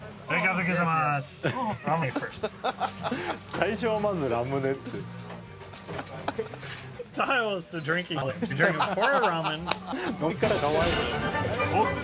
最初はまずラムネって。